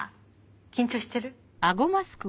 緊張してる？